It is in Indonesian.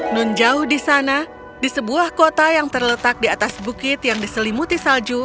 nunjauh di sana di sebuah kota yang terletak di atas bukit yang diselimuti salju